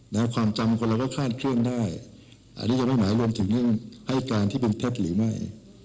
ความจำคนเราก็คาดเคลื่อนได้อันนี้ยังไม่หมายรวมถึงเรื่องให้การที่เป็นเท็จหรือไม่